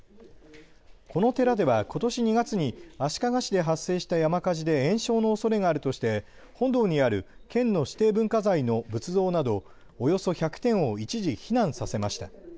この寺では、ことし２月に足利市で発生した山火事で延焼のおそれがあるとして本堂にある県の指定文化財の仏像などおよそ１００点を一時避難させました。